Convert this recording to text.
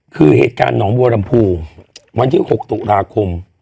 คือเหตุการณ์หนองบัวลำพูวันที่๖ตุลาคม